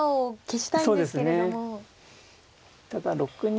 ただ６二